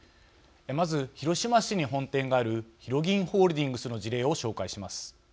まず広島市に本店があるひろぎんホールディングスの事例を紹介します。